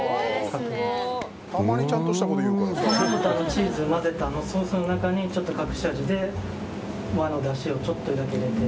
チーズを混ぜたソースの中に隠し味として和のだしをちょっとだけ入れて。